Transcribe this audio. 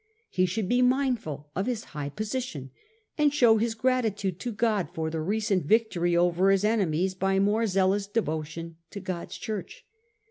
He should be mindful of his high position, and show his gratitude to God for the recent victory over his enemies by more zealous devotion to God's Church.